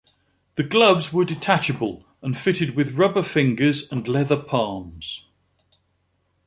The gloves were detachable and fitted with rubber fingers and leather palms.